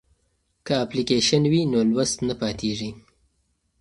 که اپلیکیشن وي نو لوست نه پاتیږي.